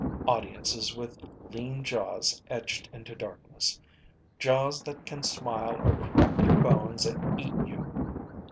Audiences with lean jaws etched into darkness. Jaws that can smile or crack your bones and eat you.